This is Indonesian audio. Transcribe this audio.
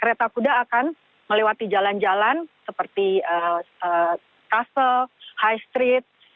kereta kuda akan melewati jalan jalan seperti kastil high street